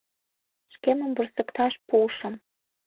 Шкемым вурсыкташ пуышым.